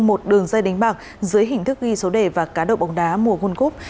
một đường dây đánh bạc dưới hình thức ghi số đề và cá độ bóng đá mùa guân cúp